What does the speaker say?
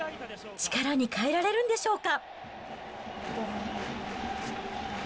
力に変えられるんでしょうか。